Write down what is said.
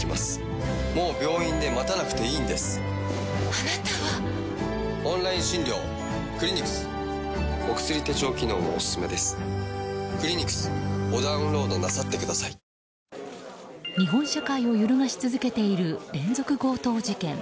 あなたはどの「アロマリッチ」？日本社会を揺るがし続けている連続強盗事件。